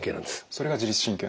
それが自律神経。